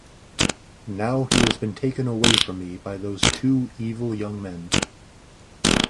Now he has been taken away from me by those two evil young men.